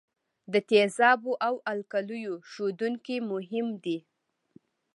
د تیزابو او القلیو ښودونکي مهم دي.